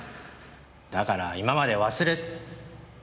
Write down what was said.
だから今まで忘れて。